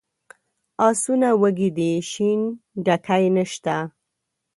آسونه وږي دي شین ډکی نشته.